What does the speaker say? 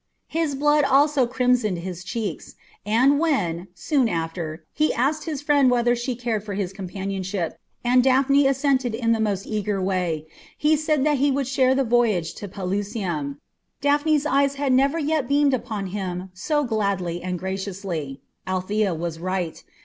His blood also crimsoned his cheeks, and when, soon after, he asked his friend whether she cared for his companionship, and Daphne assented in the most eager way, he said that he would share the voyage to Pelusium. Daphne's eyes had never yet beamed upon him so gladly and graciously. Althea was right.